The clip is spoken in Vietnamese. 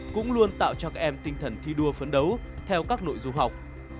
cũng luôn tạo cho các em tinh thần thi đua phấn đấu theo các nội dung học